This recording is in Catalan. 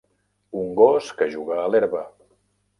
Un gos que juga a l'herba.